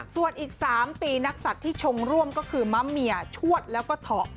ส่วนอีก๓ปีนักศัตริย์ที่ชงร่วมก็คือมะเมียชวดแล้วก็เถาะ